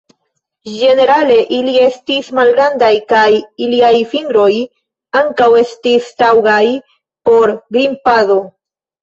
Ĝenerale ili estis malgrandaj, kaj iliaj fingroj ankaŭ estis taŭgaj por grimpado.